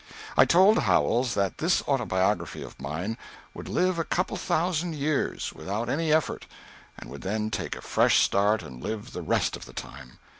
I told Howells that this autobiography of mine would live a couple of thousand years, without any effort, and would then take a fresh start and live the rest of the time.